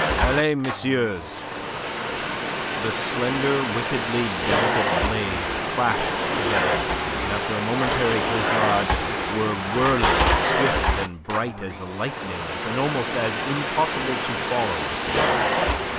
"Allez, messieurs!" The slender, wickedly delicate blades clashed together, and after a momentary glizade were whirling, swift and bright as lightnings, and almost as impossible to follow with the eye.